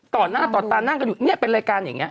ต่อหน้าต่อตานั่งกันอยู่เนี่ยเป็นรายการอย่างนี้